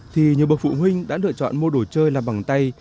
thì nhiều bậc phụ huynh đã lựa chọn mua đồ chơi làm bằng tay